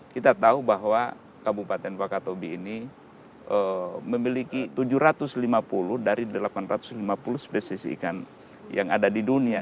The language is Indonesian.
kita tahu bahwa kabupaten wakatobi ini memiliki tujuh ratus lima puluh dari delapan ratus lima puluh spesies ikan yang ada di dunia